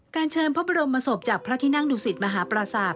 การเชิญพระบรมมาศพจากพระทินั่งดุสิตมหาประสาท